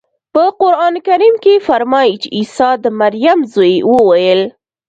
په قرانکریم کې فرمایي چې عیسی د مریم زوی وویل.